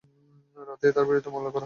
রাতেই তাঁর বিরুদ্ধে মামলা করা হয়।